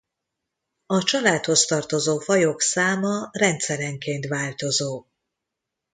A családhoz tartozó fajok száma rendszerenként változó.